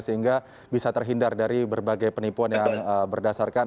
sehingga bisa terhindar dari berbagai penipuan yang berdasarkan